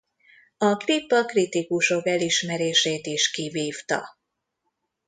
A klip a kritikusok elismerését is kivívta.